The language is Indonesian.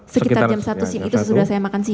sekitar jam satu siang itu sesudah saya makan siang